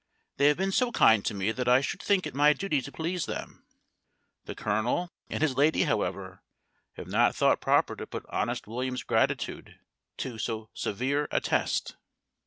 They have been so kind to me that I should think it my duty to please them." The Colonel and his lady, however, have not thought proper to put honest William's gratitude to so severe a test.